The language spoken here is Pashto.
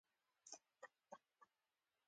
څانګې یې پر دیوال غوړولي وې.